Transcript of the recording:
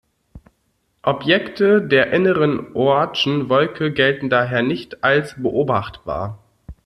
Objekte der inneren Oortschen Wolke gelten daher als nicht beobachtbar.